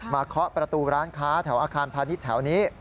เคาะประตูร้านค้าแถวอาคารพาณิชย์แถวนี้